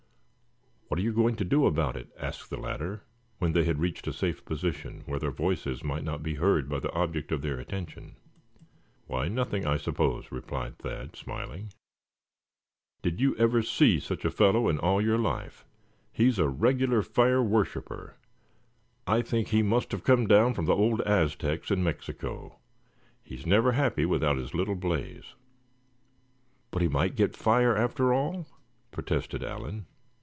"What are you going to do about it?" asked the latter, when they had reached a safe position, where their voices might not be heard by the object of their attention. "Why, nothing, I suppose," replied Thad, smiling. "Did you ever see such a fellow in all your life? He's a regular fire worshipper. I think he must have come down from the old Aztecs in Mexico. He's never happy without his little blaze." "But he might get fire after all?" protested Allan.